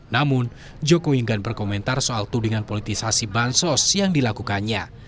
namun jokowi enggan berkomentar soal tudingan politisasi bansos yang dilakukannya